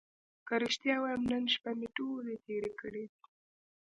که رښتیا ووایم نن شپه مې ټولې تېرې کړې دي.